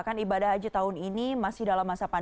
kan ibadah haji tahun ini masih dalam perjalanan